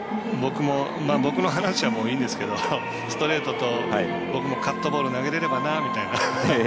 僕の話はいいんですけどストレートと僕もカットボール投げれればなみたいな。